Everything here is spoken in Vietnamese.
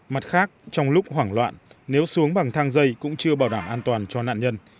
mặt khác trong lúc hoảng loạn nếu xuống bằng thang dây cũng chưa bảo đảm an toàn cho nạn nhân